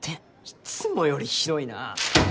いつもよりひどいな。